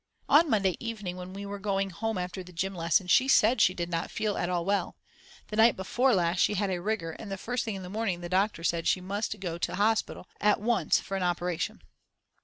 On Monday evening, when we were going home after the gym lesson, she said she did not feel at all well. The night before last she had a rigor and the first thing in the morning the doctor said that she must go to hospital at once for an operation.